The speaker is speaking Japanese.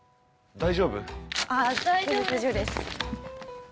大丈夫です。